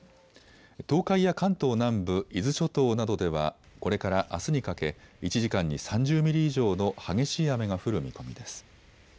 東海や関東南部、伊豆諸島などではこれからあすにかけ１時間に３０ミリ以上の激しい雨が降る見込みです。